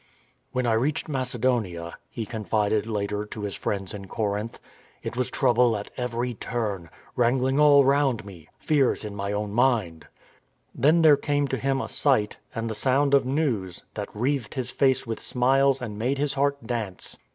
" When I reached Macedonia," he confided later to his friends in Corinth, " it was trouble at every turn, wrangling all round me, fears in my own mind." Then there came to him a sight, and the sound of news, that wreathed his face with smiles and made his heart dance.